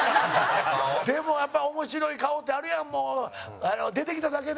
でも、やっぱ面白い顔ってあるやん、もう。出てきただけで。